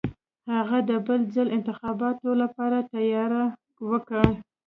هغه د بل ځل انتخاباتو لپاره تیاری وکه.